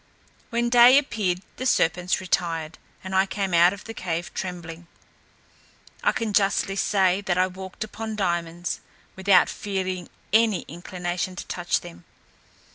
When day appeared, the serpents retired, and I came out of the cave trembling. I can justly say, that I walked upon diamonds, without feeling any inclination to touch them.